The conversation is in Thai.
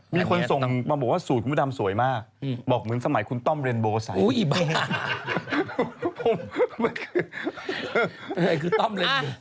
มีคนส่งมาบอกว่าสูตรคุณพี่ดำสวยมากบอกเหมือนสมัยคุณต้อมเรนโบไสน์